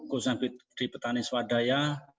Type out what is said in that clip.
khususnya di petani swadaya